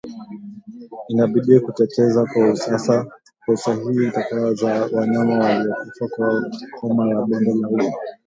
Inabidi kuteketeza kwa usahihi taka za wanyama waliokufa kwa homa ya bonde la ufa